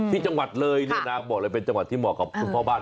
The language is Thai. ที่จังหวัดเลยเนี่ยนะบอกเลยเป็นจังหวัดที่เหมาะกับคุณพ่อบ้าน